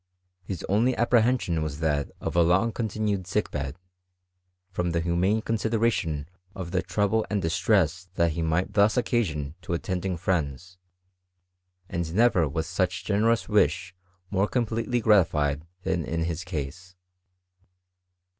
His only apprehension was that of a long continued sick bed f — from the humane consideration of the trouble and distress that he might thus occasion to attending friends ; and never was such generous wish more com pletely gratified than in his case.